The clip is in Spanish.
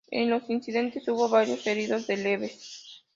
En los incidentes hubo varios heridos de leves.